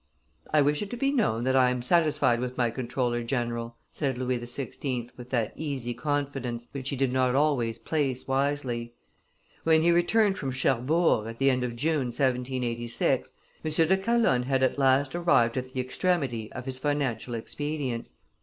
"I wish it to be known that I am satisfied with my comptroller general," said Louis XVI. with that easy confidence which he did not always place wisely. When he returned from Cherbourg, at the end of June, 1786, M. de Calonne had at last arrived at the extremity of his financial expedients.